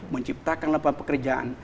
menciptakan lapangan pekerjaan